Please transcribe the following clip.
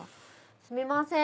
すみません。